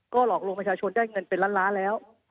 หลอกลวงประชาชนได้เงินเป็นล้านล้านแล้ว